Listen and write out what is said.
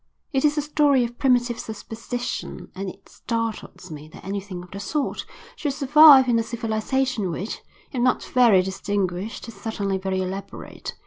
It is a story of primitive superstition, and it startles me that anything of the sort should survive in a civilisation which, if not very distinguished, is certainly very elaborate.